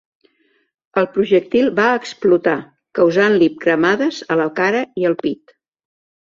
El projectil va explotar, causant-li cremades a la cara i el pit.